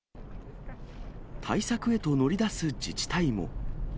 対策へと乗り出す自治体も。